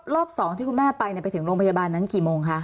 รอบ๒ที่คุณแม่ไปไปถึงโรงพยาบาลนั้นกี่โมงคะ